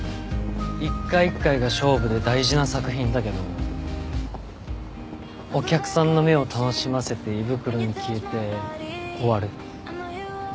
一回一回が勝負で大事な作品だけどお客さんの目を楽しませて胃袋に消えて終わる。